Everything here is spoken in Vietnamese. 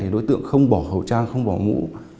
đối tượng không bỏ hậu trang không bỏ mũ